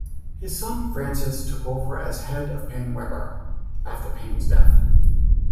His son, Francis took over as head of Paine Webber after Paine's death.